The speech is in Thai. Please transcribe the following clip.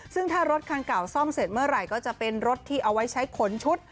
ซึ่งถ้ารถคันเก่าซ่อมเสร็จเมื่อไหร่ก็จะเป็นรถที่เอาไว้ใช้ขนชุด